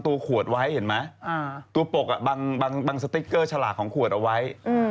ตัดต่อไหมไม่คือปกก็บังหัวขวดไว้